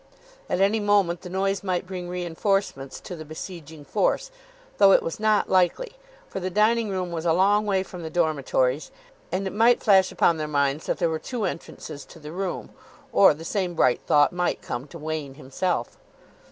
At any moment the noise might bring reinforcements to the besieging force, though it was not likely, for the dining room was a long way from the dormitories; and it might flash upon their minds that there were two entrances to the room. Or the same bright thought might come to Wain himself.